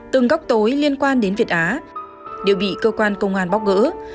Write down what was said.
từng góc tối liên quan đến việt á đều bị cơ quan công an bóc gỡ